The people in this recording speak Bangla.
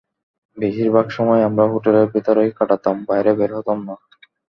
বেশির ভাগ সময় আমরা হোটেলে ভেতরেই কাটাতাম, বাইরে বের হতাম না।